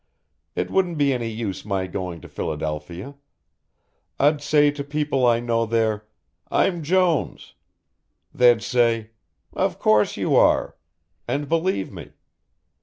It wouldn't be any use my going to Philadelphia. I'd say to people I know there, 'I'm Jones.' They'd say, 'Of course you are,' and believe me.